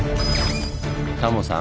タモさん